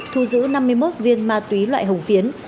thu giữ năm mươi một viên ma túy loại hồng phiến